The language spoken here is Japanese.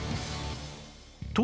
と